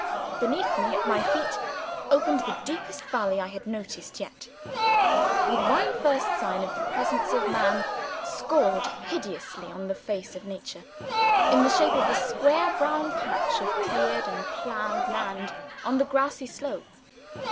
Beneath me, at my feet, opened the deepest valley I had noticed yet with one first sign of the presence of Man scored hideously on the face of Nature, in the shape of a square brown patch of cleared and ploughed land on the grassy slope.